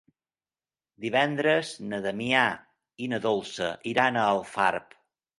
Divendres na Damià i na Dolça iran a Alfarb.